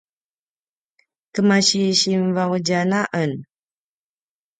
kemasi Sinvaudjan a en